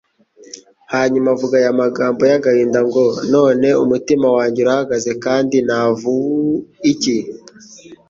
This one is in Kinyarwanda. Hanyuma avuga aya magambo y'agahinda ngo: "None umutima wanjye urahagaze kandi navuua iki?